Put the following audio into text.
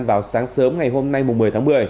vào sáng sớm ngày hôm nay một mươi tháng một mươi